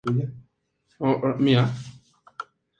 Dirigió el centro de investigación Paul Pascal a Burdeos.